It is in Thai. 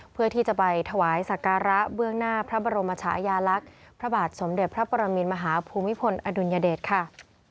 เพื่อที่จะไปถวายสักการะเบื้องหน้าพระบรมชายาลักษณ์พระบาทสมเด็จพระปรมินมหาภูมิพลอดุลยเดชค่ะ